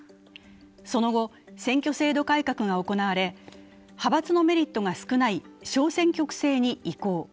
その後、選挙制度改革が行われ、派閥のメリットが少ない小選挙区制に移行。